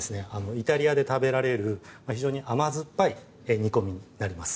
イタリアで食べられる非常に甘酸っぱい煮込みになります